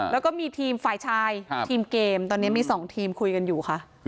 แล้วก็มีทีมฝ่ายชายทีมเกมตอนนี้มี๒ทีมคุยกันอยู่ค่ะ